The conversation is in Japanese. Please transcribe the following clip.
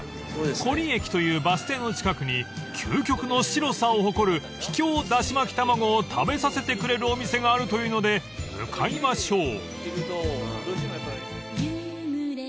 ［古里駅というバス停の近くに究極の白さを誇る秘境だし巻き卵を食べさせてくれるお店があるというので向かいましょう］